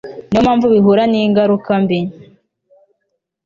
Niyo mpamvu bihura ningaruka mbi